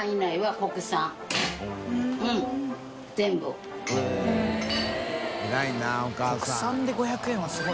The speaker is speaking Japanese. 国産で５００円はすごい。